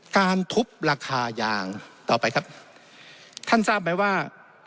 การทุบราคายางต่อไปครับท่านทราบไหมว่า